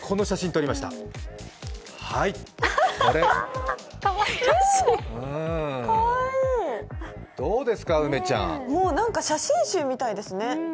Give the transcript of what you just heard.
写真集みたいですね。